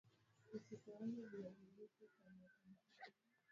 Suala kubwa zaidi hapa ni kwamba katika vigezo ambavyo Chato inakidhi